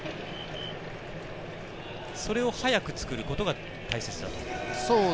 それを早く作ることが大切だと。